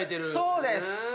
そうです。